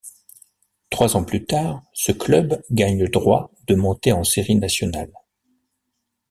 Trois ans plus tard, ce club gagne le droit de monter en séries nationales.